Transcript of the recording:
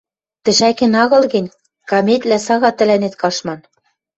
Тӹшӓкен агыл гӹнь, каметьвлӓ сага тӹлӓнет каштман.